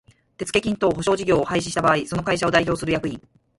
手付金等保証事業を廃止した場合その会社を代表する役員